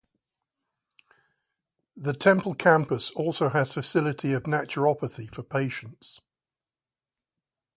The temple campus also has facility of Naturopathy for patients.